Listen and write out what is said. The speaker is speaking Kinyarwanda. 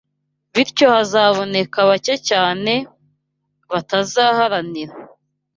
bityo hazaboneka bake cyane batazaharanira